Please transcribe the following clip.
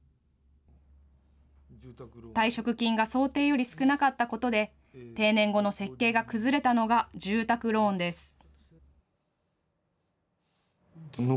退職金が想定より少なかったことで、定年後の設計が崩れたのが、住宅ローンです。